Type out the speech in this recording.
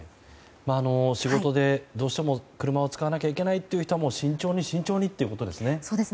仕事でどうしても車を使わないといけない人は慎重に慎重にってことですね。